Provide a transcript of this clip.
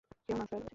কেউ না, স্যার।